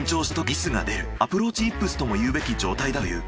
アプローチイップスとも言うべき状態だという。